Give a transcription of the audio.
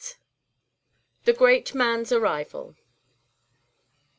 THE GREAT MAN'S ARRIVAL.